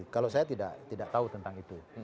kalau saya tidak tahu tentang itu